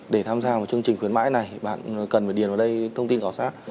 để tham gia một chương trình khuyến mãi này bạn cần phải điền vào đây thông tin khảo sát